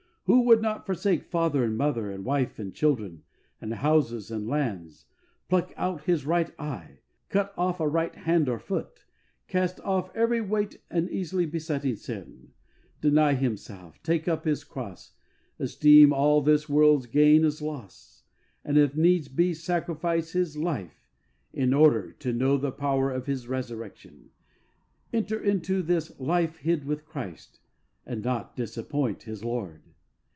Who would not forsake father and mother, and wife and children, and houses and lands, pluck out a right eye, cut off a right hand or foot, cast off every weight and easily besetting sin, deny himself, take up his cross, esteem all this world's gain as loss, and if needs be sacrifice his life in order to ^'know the power of His resurrection," enter into this " life hid with Christ in God " and not disappoint his Lord